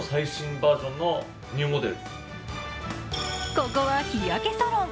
ここは日焼けサロン。